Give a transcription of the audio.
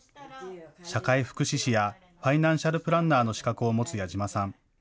社会福祉士やファイナンシャルプランナーの資格を持つ矢嶋さん。